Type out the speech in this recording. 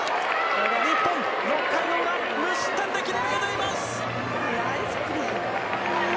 日本、６回の裏無失点で切り抜けています！